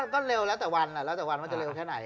ก็เร็วแล้วแต่วันแล้วแต่วันว่าจะเร็วแค่ไหน